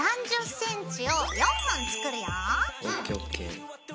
３０ｃｍを４本作るよ。